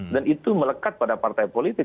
dan itu melekat pada partai politik